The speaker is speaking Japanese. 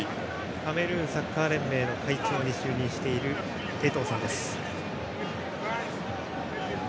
カメルーンサッカー連盟の会長に就任しているエトーさんです。